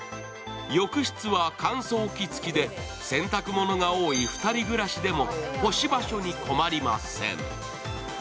浴室は乾燥機つきで洗濯物が多い２人暮らしでも干し場所に困りません。